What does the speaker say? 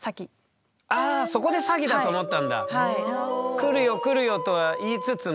来るよ来るよとは言いつつも。